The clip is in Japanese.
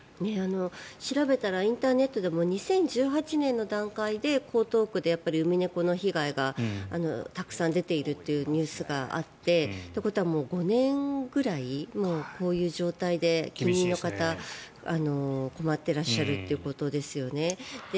調べたらインターネットでも２０１８年の段階で江東区でウミネコの被害がたくさん出ているというニュースがあってということは５年ぐらいこういう状態で住民の方は困ってらっしゃるということですよね。